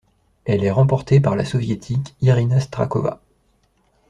Elle est remportée par la Soviétique Irina Strakhova.